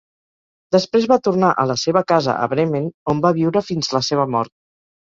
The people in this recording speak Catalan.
Després, va tornar a la seva casa a Bremen, on va viure fins la seva mort.